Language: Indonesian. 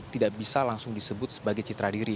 tidak bisa langsung disebut sebagai citra diri